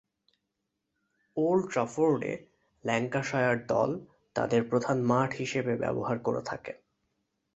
Old ট্রাফোর্ডে Lancashire দল তাদের প্রধান মাঠ হিসেবে ব্যবহার করে থাকে।